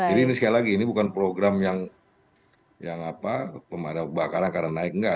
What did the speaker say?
ini ini sekali lagi ini bukan program yang yang apa pemadam bakar akan naik enggak